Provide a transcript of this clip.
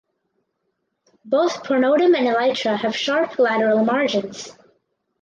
Both pronotum and elytra have sharp lateral margins.